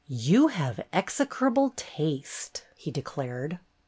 You have execrable taste," he declared.